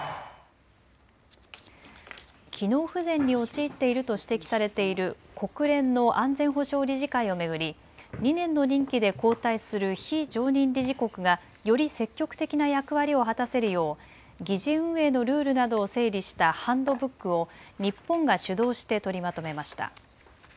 機能不全に陥っていると指摘されている国連の安全保障理事会を巡り２年の任期で交代する非常任理事国がより積極的な役割を果たせるよう議事運営のルールなどを整理したハンドブックを日本が主導して取りまとめました。